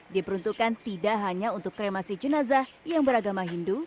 diperuntukkan tidak hanya untuk kremasi jenazah yang beragama hindu